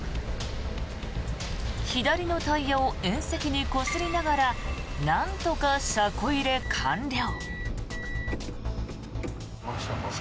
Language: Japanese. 左のタイヤを縁石にこすりながらなんとか車庫入れ完了。